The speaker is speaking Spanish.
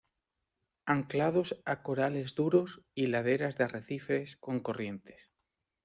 Anclados a corales duros y laderas de arrecifes con corrientes.